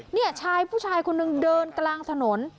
นี่ผู้ชายคนนึงเดินกลางถนน